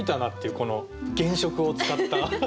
この原色を使った。